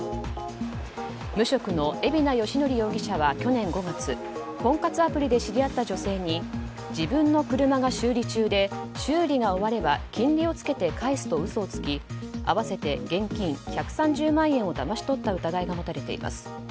無職の海老名義憲容疑者は去年５月婚活アプリで知り合った女性に自分の車が修理中で修理が終われば金利を付けて返すと嘘をつき合わせて現金１３０万円をだまし取った疑いが持たれています。